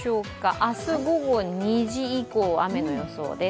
明日午後２時以降、雨の予想です。